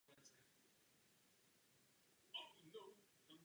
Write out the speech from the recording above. O jeho vznik se zasloužila firma Washington Portland Cement Company.